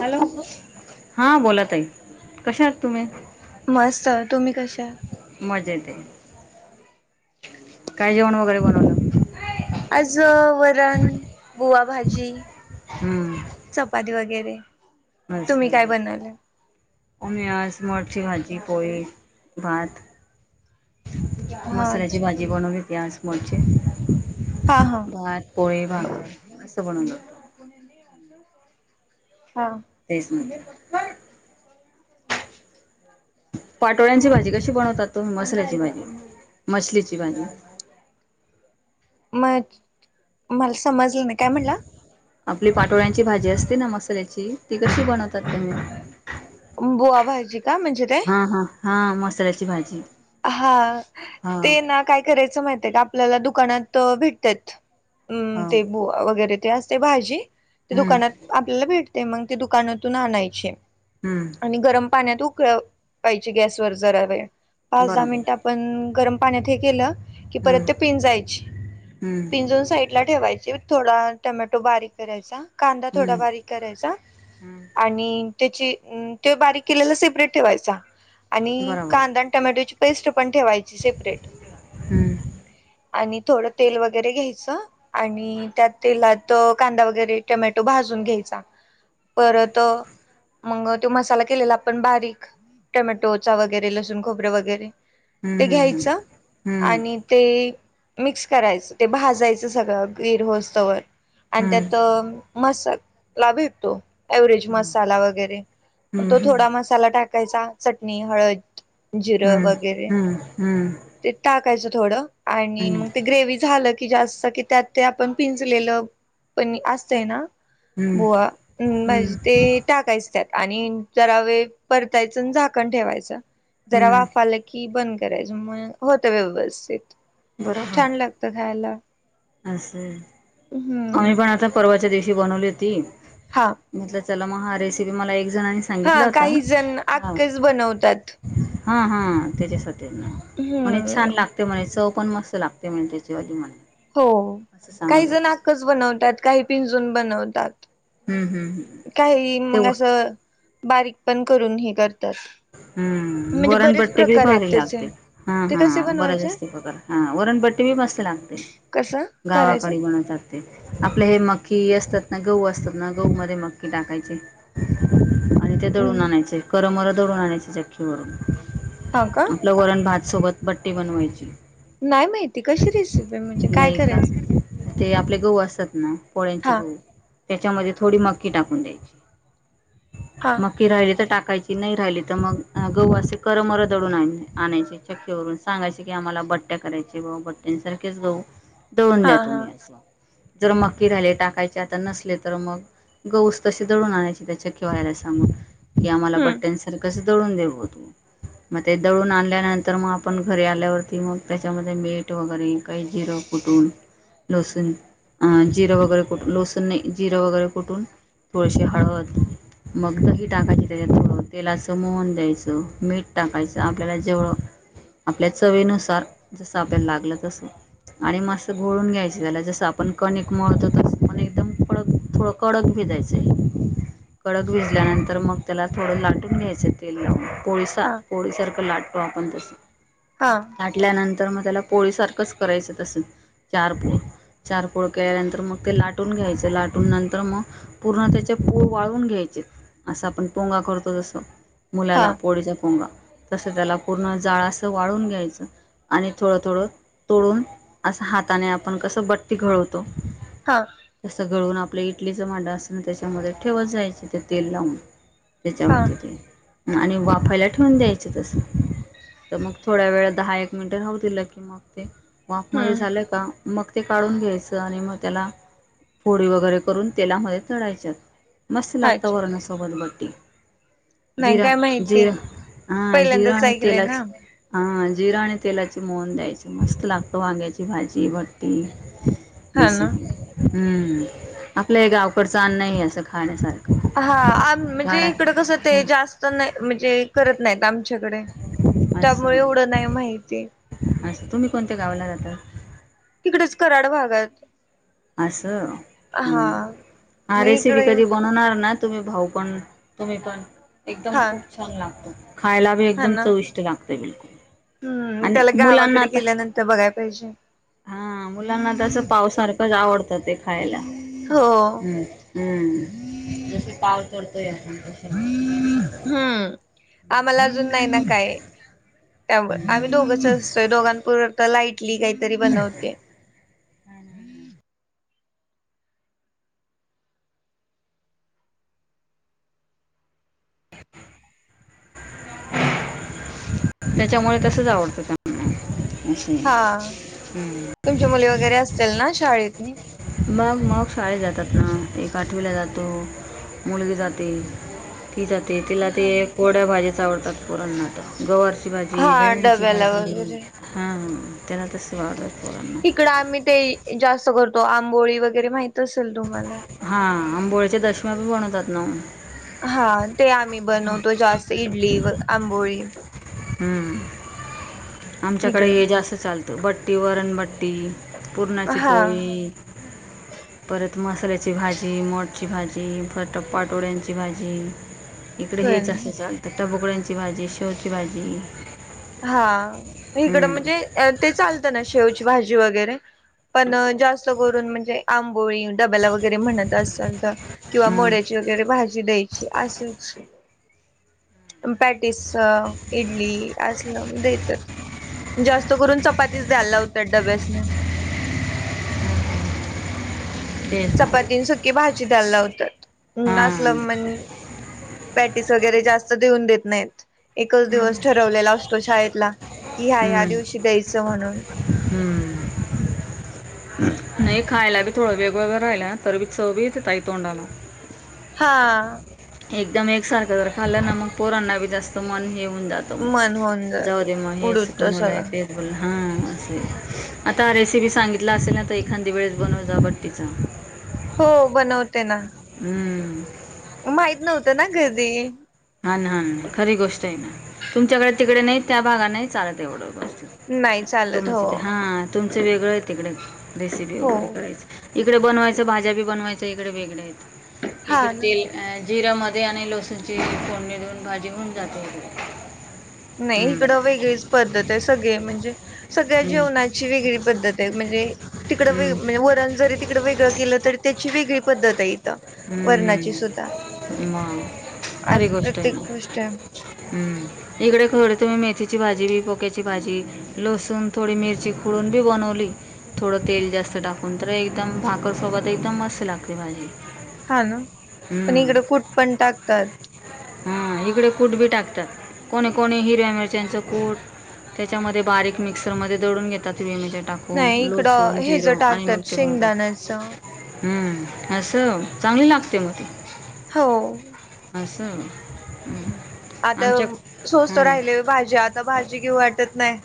Hello हा बोलातई कश आहात तुम्ही मस्त तुम्ही कशा मजा येत आहे काय जेवण वगैरे बनव आजं वरण बुवाभजी हम्म. चपाती वगैरे. ब तुम्ही काय आणि बनवले? म आस मरची भाजी पोळी भात हा मसाल्याची अच्छा भाजी बनवली पज मचे हा हा भात पोळी भाांकरर असं बनवून जेतात हां तेच नाही. पाटोळ्यांची भाजी कशी बनवतात तुम्ही मसल्याची भाजी मछलीची भाजी म मला समजलं नाही काय म्हणलं. आपली पाटोळ्यांची भाजी असते ना मसाल्याची ती कशी बनवतात तुम्ही बुवा व्हायज का म्हणजे. ते हा हा हा मसाल्याची भाजी हा हा ते ना काय करायचं माहित आहे का आपल्याला दुकानात भेटतात. अम् हो ते बु वगैरे ते असते भाजी ते हम्म दुकानात आपल्याला भेटते. ते मग ते दुकानातून आणायचे हम्म आणि गरम पाण्यात उकळ पाहिजे गॅसवर जरा वेळ पाच दहा बरोबर मिनट. पण गरम पाण्यात हे केलं की परत हम्म ते पिंजायची हम्म पिंजून साईड ला ठेवायची थोडा टोमॅटो बारीक करायचा. कांदा थोडा हम्म बारीक. करायचा हम्म आणि त्याची ते बारीक केलेला सेपरेट ठेवायचा. आणि बरोबर कांदा आणि टोमॅटोची पेस्ट पण ठेवायची सेपरेट. हम्म आणि थोडं तेल वगैरे घ्यायचं आणि त्या तेलात कांदा वगैरे टोमॅटो भाजून घ्यायचा परत मग तो मसाला केलेला आपण बारीक टोमॅटोचा वगैरे लसूण, खोबरे वगैरे ते हम्म घ्यायच हम्म आणि हम्म ते मिक्स करायचं ते भाजायचं सगळं गिरहोस्त व आणि त्यात मसाला भेटतो. एव्हरेस्ट हम्म मसाला वगैरे मग हम्म हम्म तो हम्म थोडा मसाला टाकायचा चटणी, हळद जिरं वगैरे हम्म ते टाकायचं थोडं आणि हम्म मग ते ग्रेव्ही झालं. कि जास्त कि त्यात ते आपण पिंजलेलं पण असतय ना? हम्म बुवा हम्म ते. टाकायच त्यात आणि जरा वेळ परतायचं झाकण ठेवायच जरा हम्म वाफाला. कि बंद करायचं म होतं व्यवस्थित छान बरोबर लागत खायला. असं आम्ही हम्म पण आता परवाच्या दिवशी बनवली होती. हां म्हटलं चला मग हा रेसिपी मला एक जणांनी हा सांगितला होता काही जण हा आखच बनवतात. हा हा त्याच्यासाठी ना म्हण हम्म छान लागत. ते म्हणे चव पण मस्त लागते म्हण त्याच्या आधी म्हणे. हो असं काही सांगत जण होते आकच बनवतात काही पिंजून बनवतात. हम् हम् ह काही मग असं बारीक पण करून हे करतात. हम्म म्हणजे बरेच वरणब्टी भी प्रकार आहेत भारी त्याचे लागते. हा ते हा कसे बरं बनवायचे जास्त पकार हा वरणपट्टी बी मस्त लागते. कसं करायचं गावाकडे बनवतात. आपल्या हे मी असतात ना गहू असतात ना गहू मध्ये मक्की टाकायचे. आणि ते दळून हम्म आणायचे करमर दळून आणायचे चक्कीवरून हां का? आपलं वरण भातसोबत बट्टी बनवायची. नाही माहिती कशी रेसिपी म्हणजे काय नाही का करायचं? ते आपले गहू असतात ना? पोळ्यांचे हा गहू त्याच्यामध्ये थोडी मकी टाकून द्यायची हा मक्की राहिली तर टाकायची नाही. जहिली तर मग गह असे करमर दडून आण आणायचे चक्की वरून सांगायचे की आम्हाला बट बट्ट्या करायचे व भट्ट्यांसारखेच दळून हा द्या हा तुम्ही असं. जर मक्की झाले टाकायचे आता नसले तर मग गहू तशी दडून आणायची त्याच्या खेवाळ्याला सांगून की आम्हाला बट हम्म कसं दळून दे ब मग ते दळून आणल्यानंतर मग आपण घरी आल्यावरती मग त्याच्यामध्ये मीठ वगैरे काही जिरं कुठून लसण अ जिरां वगैरे कुठ लसण नाही जिरां वगैरे कुठून तुळशी हळद मग आता हे टाकायचं त्यात थोडं तेलाचं मोहन द्यायचं मीठ टाकायचं आपल्याला जेवळं आपल्या चवीनुसार जसं आपल्याला लागलं तसं. आणि मस् गोळून घ्यायची झाला जस आपण कणिक मळतो तस. पण एकदम कडक थोड कडक भी दयचंय. कडक भिजल्यानंतर मग त्याला थोडं लाट ून घ्यायचं तेल पोळी हा पोळीसारखं लाटतो आपण तस. हा. आाटल्यानंतर मग त्याला पोळी सारखंच करायचं तसं चार पोळी चार पोळ केल्यानंतर मग ते लाटून घ्यायचे लाटून नंतर मग पूर्ण त्याचे पोळ वाळून घ्यायचे असं आपण पोंगा करतो तस. हा मुलाला पोळीचा पोंगा तस त्याला पूर्ण जाळा असं वाळून घ्यायचं. आणि थोडं थोडं तोडून असं हाताने आपण कसं बट्टी घळवतो. हा तसं गळून आपलं इडलीच भांड असत ना त्याच्यामध्ये ठेवत जायच ते तेल लावून. हा त्याच्यावरती ते आणि वाफायला ठेवून द्यायचं तस. तर मग थोड्या वेळ दहा एक मिनिटं राव दिलं की मग ते वॉक मध्ये हम्म झालं का? मग ते काढून घ्यायचं आणि मग त्याला फोडी वगैरे करून तेलामध्ये टाळायच्या. मस्त लागत अच्छा वरणासोबत बट्टी. नाही जिरा काय माहिती जिर हा जिरं पहिल्यांदाच आणि ऐकलंय तेलाच. ना हा जिरा आणि तेलाचे मोहन द्यायच मस्त लागतो वाग्याची भाजी, भट्टी. हा ना हम्म आपलं हे गावकडचं अन् नाही असं खाण्यासारखं. हा आम म्हणजे झाडा इकडं कसं ते हं. जास्त नाही म्हणजे करत नाहीत आमच्याकडे. त्यामुळे एवढं नाही माहिती. अ तुम्ही कोणत्या गावाला जाता? तिकडेच कराड भागात. असं हा ह, हा मग रेसिपी इकडे येऊ कधी बनवणार ना? तुम्ही भाऊ पण तुम्ही पण एकदम हा खूप छान लागतो खायला. हा एकदम ना चविष्ट लागते बिलकुल. हम्म आणि त्याला मुलांना गावाकडे आता गेल्यानंतर बघाय पाहिजे. हा मुलांना त्याच पावसारखंच आवडतं ते खायला हो हम्. हम्म जस पाव तोडतोय तसं. हम्म आम्हाला अजून नाही ना काय. त्यामुळे आम्ही दोघंच असतोय दोघांपोर्त तर लाइटली काहीतरी बनवते. हां ह. [inaudible] त्याच्यामुळे तसच आवडतं त्याला. हा तुमची मुली वगैरे असतील ना शाळेतनी? मग मग शाळेत जातात ना एक आठवीला जातो. मुलगी जाते. ती जाते तिला ते हा ना कोड्या भाजीच आवडतात पोरांना आता गवर भाजी, हा भेड्यांची डब्याला भाजी वगैरे हा त्याला तस वाढत. इकडं आम्ही ते जास्त करतो आंबोळी वगैरे माहित असेल तुम्हाला. हा आंबोळीच्या दशम्या बी बनवतात नव्हं. हा ते आम्ही बनवतो जास्त इडली व आंबोळी. हम्म आमच्याकडे इकडं हे जास्त चालतं बट्टी, वरणबट्टी. पुरणाची हा पोळी. परत मसाल्याची भाजी, मोडची भाजी, परत टपाटोळ्यांची भाजी. इकडे हेच पण असं चालतं टबोकड्यांची भाजी, शेवची भाजी. हा इकडं हं, म्हणजे अ ते चालतं ना शेवची भाजी वगैरे पण जास्त करून म्हणजे आंबोळी डब्याला वगैरे म्हणत असाल तर किंवा हं. मोड्याची वगैरे भाजी द्यायची असेच. पॅटस, इडली, आजलम देतात. जास्त करून चपातीच द्यायला लावतात डब्यासनी. तेच ना चपातीं न सुखी भाजी द्यायला लावत्यात, हां नसलं म्हण पॅटीस वगैरे जास्त देऊन देत नाहीत. एकच दिवस ठरवलेला असतो शाळेतला. की ह्या ह्या दिवशी द्यायचं म्हणून हम्म नाही खायला बी थोडं वेगवेगळं राहिला, तर बी चव भीेतई तोंडाला हा. एकदम एकसारखं तर खाल्लं ना मग, पोरांना बी जास्त मन हेऊन जातं. मन होऊन जा जाऊ रे महेश उडूत कोणला सगळं तेेत बोलला. हा. आता रेसिपी सांगितला असेल ना, तर एखादी वेळेस बनव जा बट्टीचा हो. बनवते ना. हम्म माहीत नव्हतं ना कधी हा. ना. हा. नाही खरी गोष्ट आहे ना. तुमच्याकडे तिकडे नाही त्या, भागा नाही चालत एवढं गोष्ट नाही चालत तुम हो तथ हा तुमचं वेगळं आहे. तिकडे रेसिपी हो वगैरे इकडे बनवायचं भाज्या बी, बनवायचं इकडे वेगळ्या आहेत. हा इकडे ना तेल जिरा्यामध्ये आणि लसूणची फोडणी देऊन भाजी होऊन जाते. नाही. हम्म, इकडं वेगळीच पद्धत आहे. सगळे, म्हणजे सगळ्या हम्म, जेवणाची वेगळी पद्धत आहे. म्हणजे तिकड वे हम्म, म्हणजे वरण जरी तिकड वेगळं केलं तरी त्याची वेगळी पद्धत आहे इथं वरणाची हम्म. सुद्धा मग खरी आज गोष्ट आहे प्रत्येक ना. गोष्ट आहे. हम्म. इकडे खर तुम्ही मेथीची, भाजी पोक्याची भाजी लसूण थोडी मिरची खोडून बी बनवली. थोडं तेल जास्त टाकून तर, एकदम भाकरसोबत एकदम मस्त लागते भाजी हा, ना. पण इकड कुट पण टाकतात. हा. इकडे कूट बी टाकतात. कोणी कोणी हिरव्या मिरच्याचं कूट त्याच्यामध्ये बारीक मिक्सर मध्ये दळून घेतात. भेम्याच्या टाक कून नाही लसूण, इकडं हेच जिरों आणि मग टाकतात ते शेंगदाण्याच [unintelligible] हम्म असं. चांगली लागते म त हो. असं आता आमच्या स्वस्त हं, राहिले भाज्या, आता भाजी घिऊ वाटत नाही.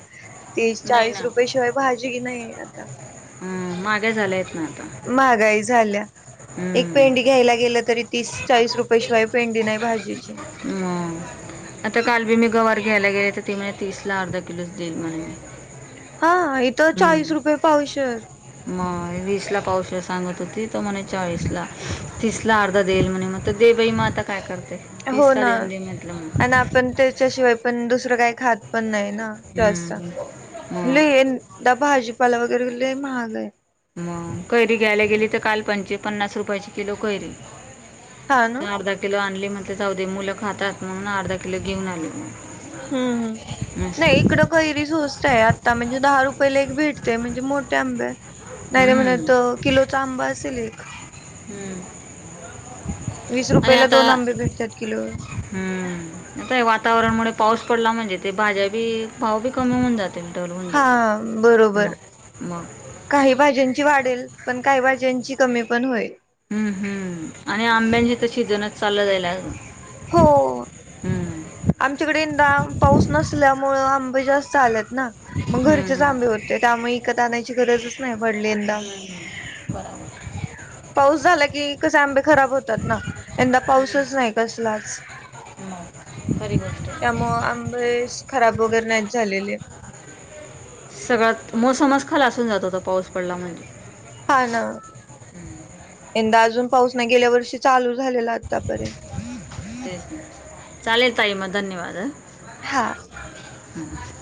तीस, नाही चाळीस ना रुपयेशिवाय भाजी ई नाही आता. हम महागाई झाल्या आहेत ना आता. महागाई झाल्या. एक हं, पेंडी घ्यायला गेलं तरी, तीस चाळीस रुपयेशिवाय पेंडी नाही भाजीची मग आता काल बी मी गवार घ्यायला गेले, तर ती मला तीस ला अर्धा किलोच देईल म्हण हा. इथं चाळीस रुपये पावशर मग वीस ला पावशर सांगत होती. त म्हणे चाळीस ला तीस ला अर्धा देईल म्हणे म तर दे बई म आता काय करते. तिसला देऊन दे म्हटलं मग पण त्याच्याशिवाय पण, दुसरं काही खात पण नाय हम्म. मग [unintelligible] भाजीपाला वगैरे लई महाग आहे. मग कैरी घ्यायला गेली तर काल, पं पन्नास रुपयाची किलो कैरी हा ना तर अर्धा किलो आणली म्हणल जाउदे. मुलं खातात म्हणून अर्धा किलो घेऊन आली. हम्मम्. नाही इकडं गैरी सोस्त आहे. आता म्हणजे दहा रुपयला एक भेटते, म्हणजे मोठ्या आंब्या नाही. रे हम्म. म्हणत किलोचा आंबा असेल एक हम्म. वीस आणि रुपयाला आता दोन आंबे भेटतात किलो हम्म. आताय वातावरणमुळे पाऊस पडला म्हणजे, ते भाज्या बी भाव बी कमी होऊन जात ते [unintelligible] हा जाते. मग, बरोबर मग काही भाज्यांची वाढेल. पण काही भाज्यांची कमी पण होईल. हम्म हम् आणि आंब्यांचे तर सिजनच चाललं जाईल. हो. हम्म. आमच्याकडे यंदा पाऊस नसल्यामुळ आंबे जास्त आलेत. ना मग हम्म घरचेच आंबे हम्म होते, त्यामुळे विकत आणायची गरजच नाही पडली यंदा. हम्म बराबर [inaudible] पाऊस झाला की कसे आंबे खराब होतात ना यंदा पाऊसच नाही कसलाच. खरी गोष्ट हाय. त्यामुळ आंबे अशे खराब वगैरे नाहीच झालेले. सगळ्यात मोसमच खालासून जातो पाऊस पडला म्हणून. हा ना यंदा अजून पाऊस नाही, गेल्या वर्षी चालू झालेला आतापर्यंत. [inaudible] ते चालेल ताई म धन्यवाद ह. हा. [inaudible]